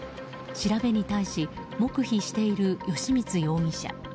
調べに対し黙秘している吉満容疑者。